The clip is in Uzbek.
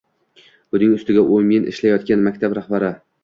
Buning ustiga u men ishlayotgan maktab rahbari.